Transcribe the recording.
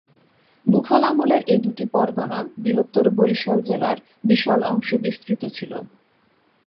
মুঘল আমলের এ-দুটি পরগনা বৃহত্তর বরিশাল জেলার বিশাল অংশে বিস্তৃত ছিল।